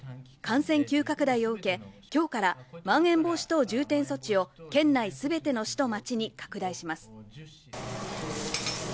感染急拡大を受け、今日からまん延防止等重点措置を県内すべての市と町に拡大します。